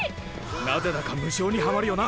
なぜだか無性にハマるよな。